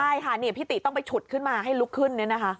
ใช่ค่ะนี่พี่ติต้องไปฉุดขึ้นมาให้ลุกขึ้นเนี่ยนะคะ